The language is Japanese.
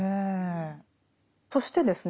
そしてですね